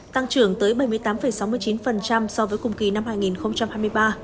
tăng trưởng tới bảy mươi tám sáu mươi chín so với cùng kỳ năm hai nghìn hai mươi ba